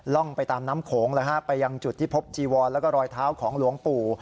ร่องไปตามน้ำโขงไปยังจุดที่พบจีวรแล้วก็รอยเท้าของหลวงปู่